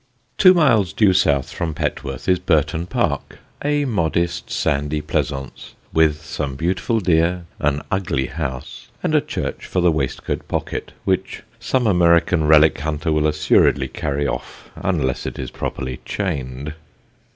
Two miles due south from Petworth is Burton Park, a modest sandy pleasaunce, with some beautiful deer, an ugly house, and a church for the waistcoat pocket, which some American relic hunter will assuredly carry off unless it is properly chained.